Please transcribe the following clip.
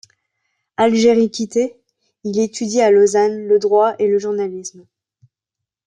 Algérie quittée, il étudie à Lausanne le droit et le journalisme.